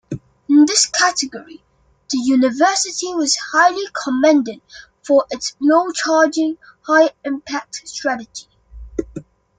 In this category, the university was highly commended for its "low-charging, high impact" strategy.